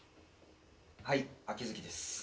はい秋月です。